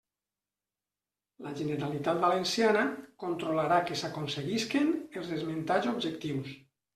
La Generalitat Valenciana controlarà que s'aconseguisquen els esmentats objectius.